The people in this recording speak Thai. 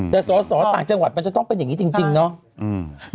แต่สอสอต่างจังหวัดมันจะต้องเป็นอย่างนี้จริงเนาะ